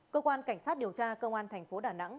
cơ quan cảnh sát điều tra cơ quan tp đà nẵng